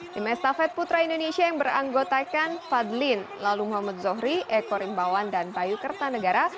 tim estafet putra indonesia yang beranggotakan fadlin lalu muhammad zohri eko rimbawan dan bayu kertanegara